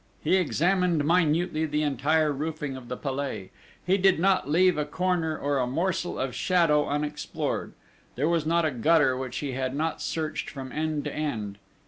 He examined, minutely, the entire roofing of the Palais; he did not leave a corner or a morsel of shadow unexplored; there was not a gutter which he had not searched from end to end.